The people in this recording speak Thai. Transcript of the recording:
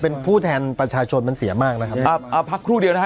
เป็นผู้แทนประชาชนมันเสียมากนะครับเอาพักครู่เดียวนะฮะ